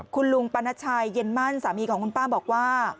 คุณลุงปรณชัยเย็นมั่นสามีของคุณป้าบอกว่า